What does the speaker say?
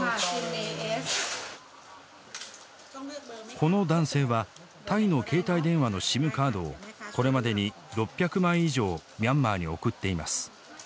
この男性はタイの携帯電話のＳＩＭカードをこれまでに６００枚以上ミャンマーに送っています。